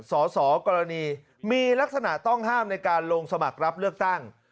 สสกรณีมีลักษณะต้องห้ามในการลงสมัครรับเลือกตั้ง